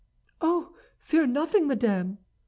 "Oh, fear nothing, madame!"